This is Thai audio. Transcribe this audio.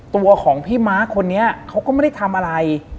ตัวของพี่ม้าคนนี้เขาก็ไม่ได้ทำอะไร